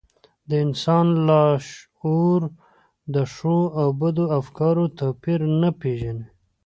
د انسان لاشعور د ښو او بدو افکارو توپير نه پېژني.